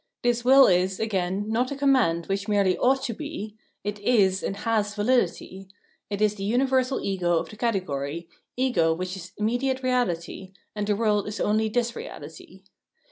This will is, again, not a conunand which merely ought to be ; it is and has validity ; it is the universal ego of the categorj^, ego which is immediately reaUty, and the world is only this reality.